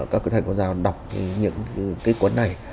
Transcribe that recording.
các thầy cô giáo đọc những cái cuốn này